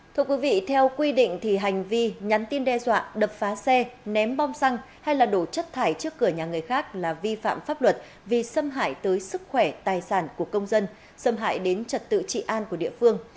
thưa quý vị theo quy định thì hành vi nhắn tin đe dọa đập phá xe ném bom xăng hay đổ chất thải trước cửa nhà người khác là vi phạm pháp luật vì xâm hại tới sức khỏe tài sản của công dân xâm hại đến trật tự trị an của địa phương